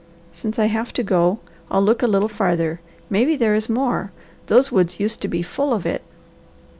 Since I have to go, I'll look a little farther. Maybe there is more. Those woods used to be full of it."